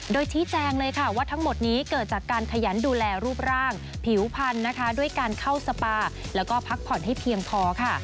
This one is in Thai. โดยชี้แจงเลยค่ะว่าทั้งหมดนี้เกิดจากการขยันดูแลรูปร่างผิวพันธุ์นะคะด้วยการเข้าสปาแล้วก็พักผ่อนให้เพียงพอค่ะ